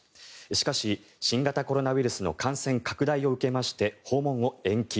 しかし、新型コロナウイルスの感染拡大を受けまして訪問を延期。